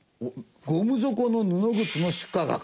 ゴム底の布靴の出荷額。